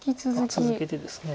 続けてですね。